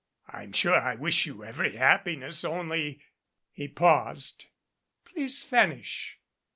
"I'm sure I wish you every happiness. Only " He paused. "Please finish."